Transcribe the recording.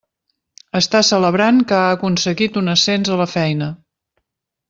Està celebrant que ha aconseguit un ascens a la feina.